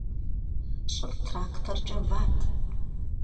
Щӏыр тракторкӏэ ват.